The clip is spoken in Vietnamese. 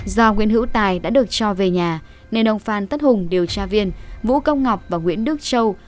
do nguyễn hữu tài đã được cho về nhà nên ông phan tất hùng điều tra viên vũ công ngọc và nguyễn đức châu